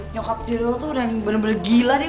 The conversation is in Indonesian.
nyokap lo tuh bener bener gila deh